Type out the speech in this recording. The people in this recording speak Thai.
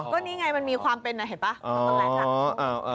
ก็นี่ไงมันมีความเป็นนะเห็นป่ะแลต